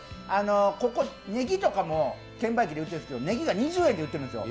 ねぎとかも券売機で売ってるんですけどねぎが２０円で売ってるんですよ。